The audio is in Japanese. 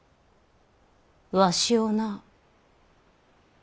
わしをな！